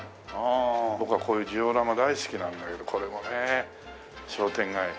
僕はこういうジオラマ大好きなんだけどこれもねえ商店街。